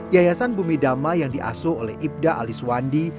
yayasan bumi dama yang diasuh oleh ibda ali suwandi